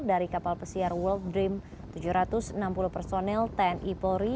dari kapal pesiar world dream tujuh ratus enam puluh personel tni polri